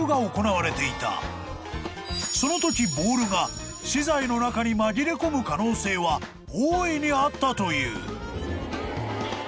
［そのときボールが資材の中に紛れ込む可能性は大いにあったという］